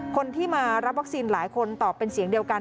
คนที่มารับวัคซีนหลายคนตอบเป็นเสียงเดียวกัน